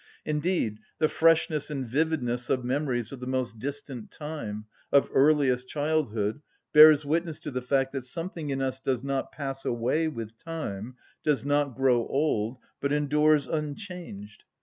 Indeed the freshness and vividness of memories of the most distant time, of earliest childhood, bears witness to the fact that something in us does not pass away with time, does not grow old, but endures unchanged.